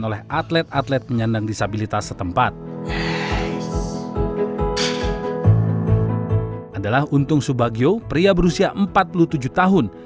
oleh atlet atlet penyandang disabilitas setempat adalah untung subagio pria berusia empat puluh tujuh tahun